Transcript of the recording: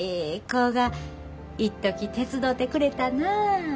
子がいっとき手伝うてくれたなあ」。